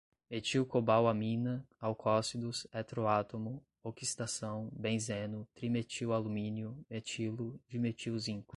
metilcobalamina, alcóxidos, heteroátomo, oxidação, benzeno, trimetilalumínio, metilo, dimetilzinco